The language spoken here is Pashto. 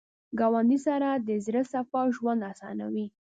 ګاونډي سره د زړه صفا ژوند اسانوي